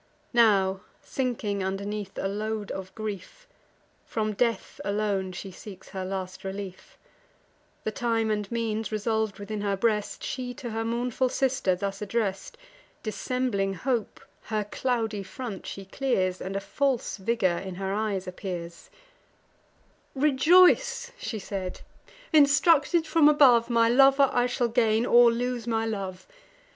Now, sinking underneath a load of grief, From death alone she seeks her last relief; The time and means resolv'd within her breast, She to her mournful sister thus address'd (Dissembling hope, her cloudy front she clears, And a false vigour in her eyes appears): "Rejoice!" she said. "Instructed from above, My lover I shall gain, or lose my love.